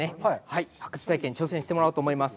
発掘体験に挑戦してもらおうと思います。